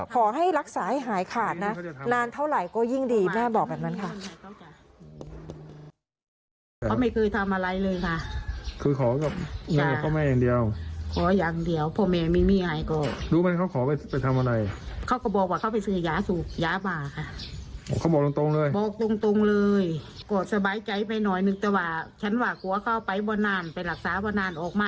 ขอให้รักษาให้หายขาดนะนานเท่าไหร่ก็ยิ่งดีแม่บอกแบบนั้นค่ะ